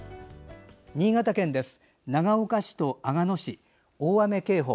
新潟県です。